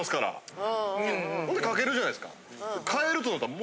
ほんで掛けるじゃないですか。